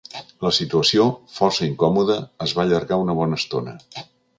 La situació, força incòmoda, es va allargar una bona estona.